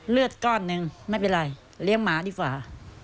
เลือดก้อนหนึ่งไม่เป็นไรเลี้ยงหมาดีกว่า